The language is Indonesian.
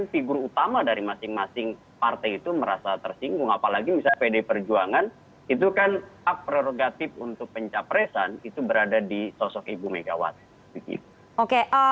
figur utama dari masing masing partai itu merasa tersinggung apalagi misalnya pdi perjuangan itu kan hak prerogatif untuk pencapresan itu berada di sosok ibu megawati